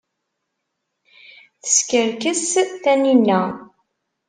Teskerkes Taninna.